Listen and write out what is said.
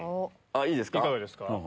いいですか？